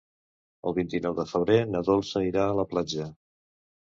El vint-i-nou de febrer na Dolça irà a la platja.